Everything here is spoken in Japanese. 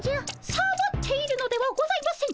サボっているのではございません。